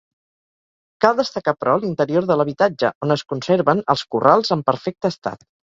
Cal destacar però l'interior de l'habitatge on es conserven els corrals en perfecte estat.